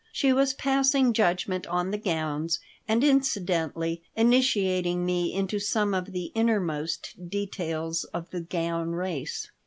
She was passing judgment on the gowns and incidentally initiating me into some of the innermost details of the gown race.